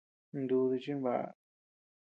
Ndudí chimbaʼa.